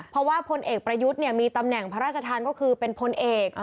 เพราะว่าพลเอกประยุทธ์มีตำแหน่งพระราชทานก็คือเป็นพลเอก